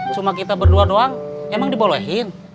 cuma kita berdua doang emang dibolehin